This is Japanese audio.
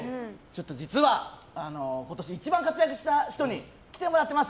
実は、今年一番活躍した人に来てもらってます。